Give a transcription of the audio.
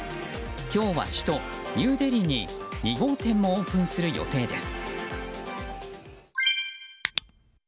今日は首都ニューデリーに２号店もオープンする予定です。